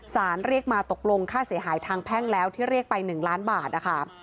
เรียกมาตกลงค่าเสียหายทางแพ่งแล้วที่เรียกไป๑ล้านบาทนะคะ